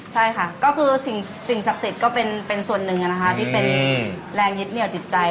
ใช่ค่ะก็คือสิ่งศักดิ์สิทธิ์ก็เป็นส่วนหนึ่งนะคะที่เป็นแรงยึดเหนี่ยวจิตใจ